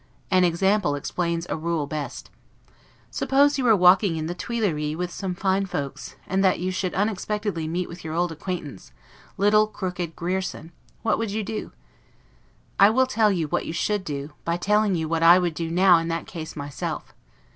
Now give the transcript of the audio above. An example explains a rule best: Suppose you were walking in the Tuileries with some fine folks, and that you should unexpectedly meet your old acquaintance, little crooked Grierson; what would you do? I will tell you what you should do, by telling you what I would now do in that case myself.